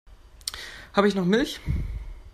Habe ich noch Milch?